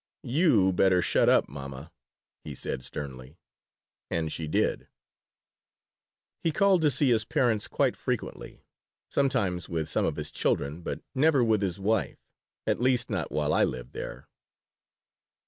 "You better shut up, mamma," he said, sternly. And she did He called to see his parents quite frequently, sometimes with some of his children, but never with his wife, at least not while I lived there.